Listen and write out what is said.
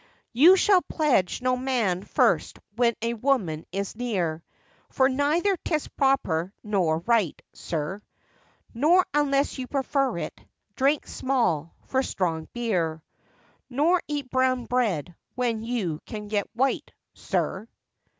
You shall pledge no man first when a woman is near, For neither 'tis proper nor right, sir; Nor, unless you prefer it, drink small for strong beer, Nor eat brown bread when you can get white, sir.